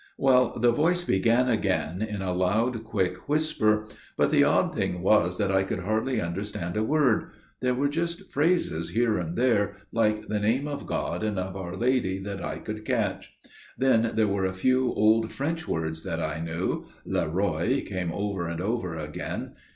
"Well, the voice began again in a loud quick whisper, but the odd thing was that I could hardly understand a word; there were just phrases here and there, like the name of God and of our Lady, that I could catch. Then there were a few old French words that I knew; 'le roy' came over and over again.